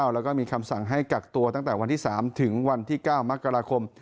แล้วก็มีคำสั่งให้กักตัวตั้งแต่วันที่๓ถึงวันที่๙มกราคม